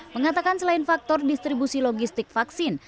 mengatakan selain faktor distribusi logistik vaksin